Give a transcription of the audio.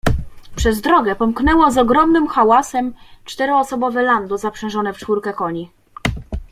"Przez drogę pomknęło z ogromnym hałasem czteroosobowe lando, zaprzężone w czwórkę koni."